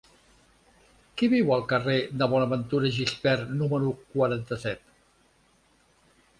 Qui viu al carrer de Bonaventura Gispert número quaranta-set?